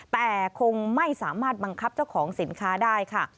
แต่คงไม่สามารถบังคับเจ้าของสินค้าได้ค่ะ